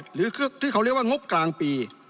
หรือที่เขาเรียกว่างบกลางปี